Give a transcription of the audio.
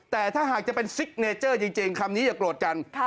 แต่ถ้าหากจะเป็นซิกเนเจอร์จริงคำนี้อย่าโกรธกัน